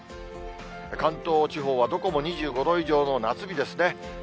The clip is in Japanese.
関東地方はどこも２５度以上の夏日ですね。